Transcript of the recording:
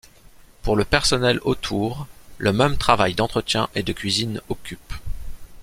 Pour le personnel autour, le même travail d'entretien et de cuisine occupe.